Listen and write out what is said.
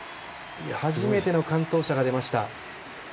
初めての完登者が出ました。